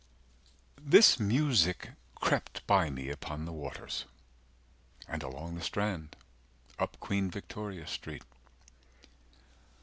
"This music crept by me upon the waters" And along the Strand, up Queen Victoria Street.